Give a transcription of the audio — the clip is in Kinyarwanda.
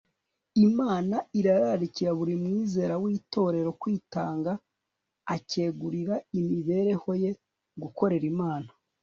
imana irararikira buri mwizera w'itorero kwitanga akegurira imibereho ye gukorera imana